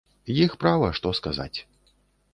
Іх права, што сказаць.